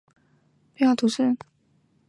本德然人口变化图示